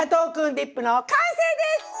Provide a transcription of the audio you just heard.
ディップの完成です！